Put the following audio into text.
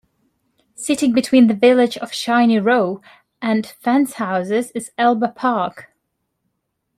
Sitting between the village of Shiney Row and Fencehouses is Elba Park.